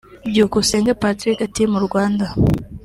Byukusenge Patrick – Team Rwanda “”